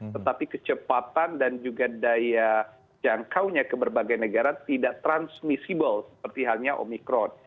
tetapi kecepatan dan juga daya jangkaunya ke berbagai negara tidak transmissible seperti halnya omikron